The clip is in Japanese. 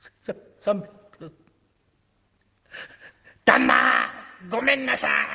旦那ごめんなさい！」。